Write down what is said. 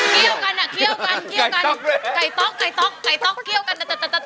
เคี่ยวกันอ่ะเคี่ยวกัน